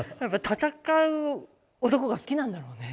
戦う男が好きなんだろうね。